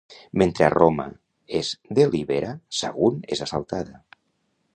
Mentre a Roma es delibera, Sagunt és assaltada.